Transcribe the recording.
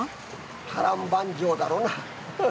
波乱万丈だろうな。